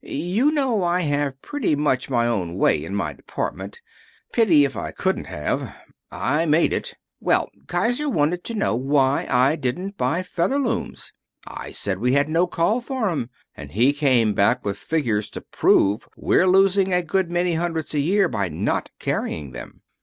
You know I have pretty much my own way in my department. Pity if I couldn't have. I made it. Well, Kiser wanted to know why I didn't buy Featherlooms. I said we had no call for 'em, and he came back with figures to prove we're losing a good many hundreds a year by not carrying them.